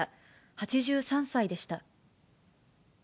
８３歳でした。